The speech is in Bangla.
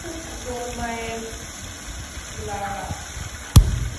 ওর মায়ের লারা!